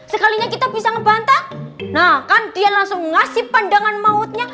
sekalinya kita bisa ngebantah nah kan dia langsung ngasih pandangan mautnya